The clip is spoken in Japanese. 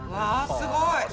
すごい！